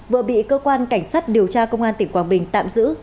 vừa bị cơ quan cảnh sát điều tra công an tỉnh quảng bình tạm giữ